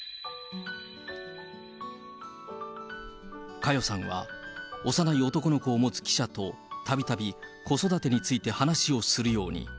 佳代さんは、幼い男の子を持つ記者と、たびたび子育てについて話をするように。